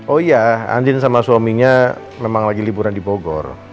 oh iya andin sama suaminya memang lagi liburan di bogor